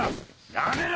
やめろ！